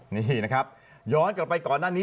นี่นะครับย้อนกลับไปก่อนหน้านี้